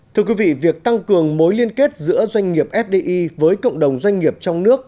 thưa quý vị việc tăng cường mối liên kết giữa doanh nghiệp fdi với cộng đồng doanh nghiệp trong nước